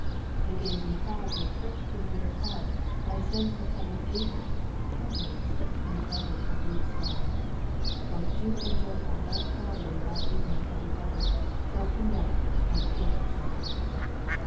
The gazing crowd were pricked to the heart by a sense of having aided, countenanced, and abetted a grievous wrong. Both Jew and Q entile left Calvary that evening heavy hearted, self conderaned, and ill at ease.